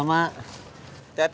nggak ada apa apa